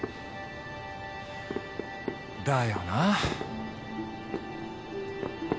だよな。